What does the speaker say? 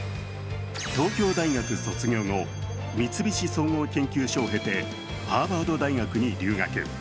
東京大学卒業後、三菱総合研究所を経てハーバード大学に留学。